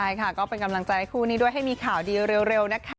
ใช่ค่ะก็เป็นกำลังใจให้คู่นี้ด้วยให้มีข่าวดีเร็วนะคะ